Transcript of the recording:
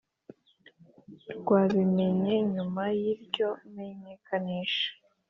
rwabimenye nyuma y iryo menyekanisha